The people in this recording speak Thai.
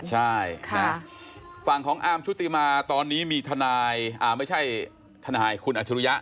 ใช่ฝั่งของอาร์มชุติมาตอนนี้มีทนายไม่ใช่ทนายคุณอัชรุยะ